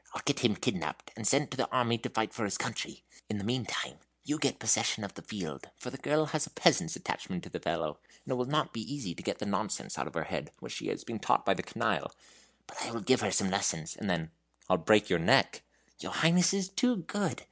I'll get him kidnapped, and sent to the army to fight for his country. In the meantime you get possession of the field; for the girl has a peasant's attachment for the fellow, and it will not be easy to get the nonsense out of her head, which she has been taught by the canaille. But I will give her some lessons, and then " "I'll break your neck." "Your Highness is too good.